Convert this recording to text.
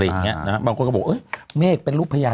ระดับละอะไรอย่างเงี้ยบางคนก็บอกว่าเฮ้ยเมฆเป็นลูกพญานาห์